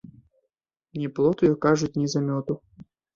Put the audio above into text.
Ні плоту, як кажуць, ні замёту.